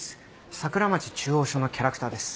桜町中央署のキャラクターです。